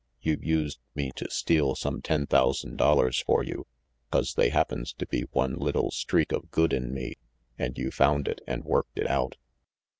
You used me to steal some ten thousand dollars for you, 'cause they happens to be one little streak of good in me and you found it and worked it out.